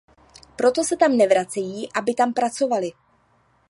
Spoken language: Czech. Proto se tam nevracejí, aby tam pracovali.